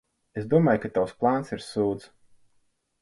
Es domāju, ka tavs plāns ir sūds.